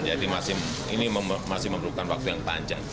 jadi ini masih memerlukan waktu yang panjang